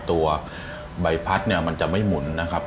ตัวใบพัดเนี่ยมันจะไม่หมุนนะครับ